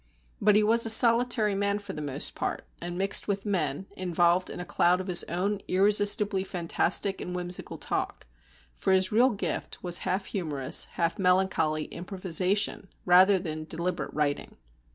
But he was a solitary man for the most part, and mixed with men, involved in a cloud of his own irresistibly fantastic and whimsical talk; for his real gift was half humorous, half melancholy improvisation rather than deliberate writing.